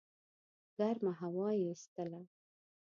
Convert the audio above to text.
ګرمه هوا یې ایستله.